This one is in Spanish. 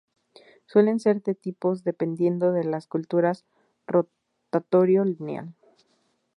Suelen ser de dos tipos dependiendo de las culturas: rotatorio, lineal.